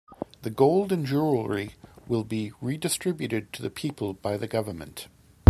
The gold and jewellery will be redistributed to the people by the government.